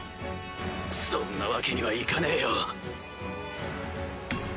そんなわけにはいかねえよ。